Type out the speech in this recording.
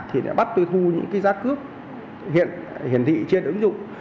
thì đã bắt tôi thu những cái giá cước hiện thị trên ứng dụng